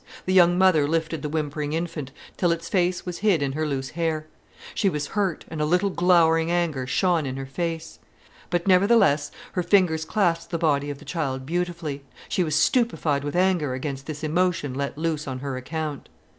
The young mother lifted the whimpering infant, till its face was hid in her loose hair. She was hurt, and a little glowering anger shone in her face. But nevertheless her fingers clasped the body of the child beautifully. She was stupefied with anger against this emotion let loose on her account.